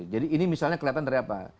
jadi ini misalnya kelihatan dari apa